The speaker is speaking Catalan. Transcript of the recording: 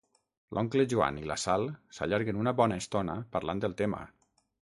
L'oncle Joan i la Sal s'allarguen una bona estona parlant del tema.